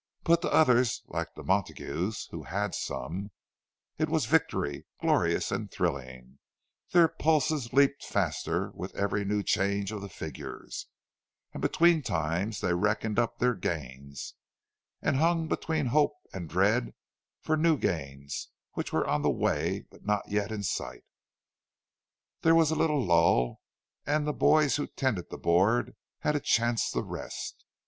But to others, like the Montagues, who "had some," it was victory, glorious and thrilling; their pulses leaped faster with every new change of the figures; and between times they reckoned up their gains, and hung between hope and dread for the new gains which were on the way, but not yet in sight. There was little lull, and the boys who tended the board had a chance to rest.